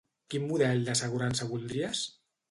Quin model d'assegurança voldries?